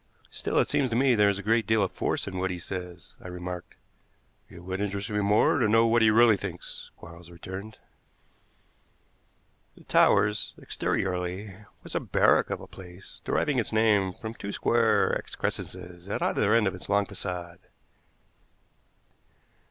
"Still, it seems to me there is a great deal of force in what he says," I remarked. "It would interest me more to know what he really thinks," Quarles returned. The Towers, exteriorly, was a barrack of a place, deriving its name from two square excrescences at either end of its long façade.